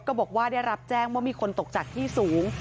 บอกว่าได้รับแจ้งว่ามีคนตกจากที่สูง